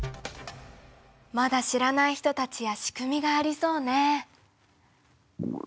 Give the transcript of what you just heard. まだ知らない人たちや仕組みがありそうね。